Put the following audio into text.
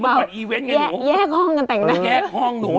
เมื่อก่อนอีเวนต์ไงหนูแยกแยกห้องกันแต่งนั้นแยกห้องหนู